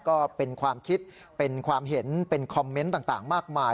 ก็เป็นความคิดเป็นความเห็นเป็นคอมเมนต์ต่างมากมาย